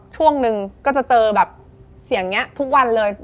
ช่วงหนึ่งก็จะเจอแบบเสียงนี้ทุกวันเลย